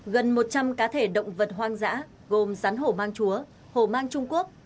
gần một trăm linh cá thể động vật hoang dã gồm sắn hổ mang chúa hổ mang trung quốc